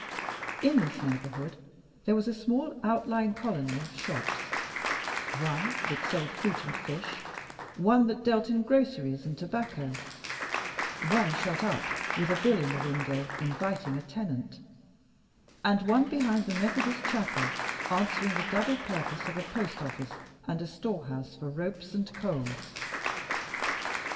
In this neighborhood there was a small outlying colony of shops: one that sold fruit and fish; one that dealt in groceries and tobacco; one shut up, with a bill in the window inviting a tenant; and one, behind the Methodist Chapel, answering the double purpose of a post office and a storehouse for ropes and coals.